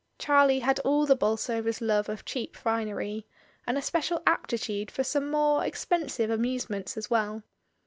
Charlie had all the Bolsovers' love of cheap finery, and a special aptitude for more expensive amusements as well.